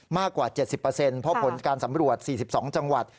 มากกว่า๗๐เพราะผลการสำรวจ๔๒จังหวัด